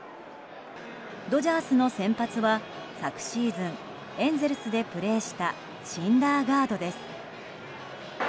ドジャースの先発は昨シーズンエンゼルスでプレーしたシンダーガードです。